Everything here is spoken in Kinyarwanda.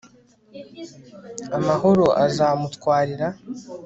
amahoro azamutwarira